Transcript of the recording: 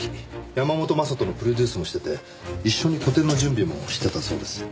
山本将人のプロデュースもしてて一緒に個展の準備もしてたそうです。